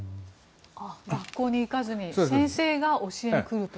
学校に行かずに先生が教えに来ると。